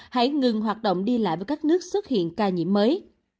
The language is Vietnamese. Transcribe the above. hãy ngừng hoạt động đi lại với các nước xuất hiện ca nhiễm mới